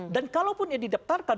dan kalaupun dia didaptarkan